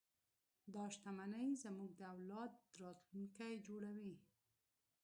دا شتمنۍ زموږ د اولاد راتلونکی جوړوي.